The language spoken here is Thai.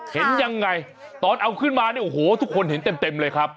เห็นยังไงตอนเอาขึ้นมาเนี่ยโอ้โหทุกคนเห็นเต็มเลยครับ